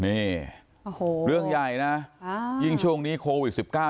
นี่โอ้โหเรื่องใหญ่นะอ้ายิ่งช่วงนี้โควิดสิบเก้า